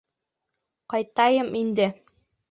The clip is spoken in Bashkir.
Ҡайтайым инде.